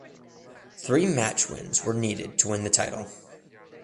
Three match wins were needed to win the title.